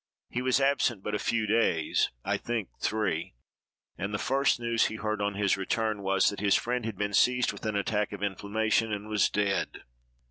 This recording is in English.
He was absent but a few days (I think three); and the first news he heard on his return was, that his friend had been seized with an attack of inflammation, and was dead.